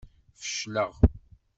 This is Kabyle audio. Fecleɣ.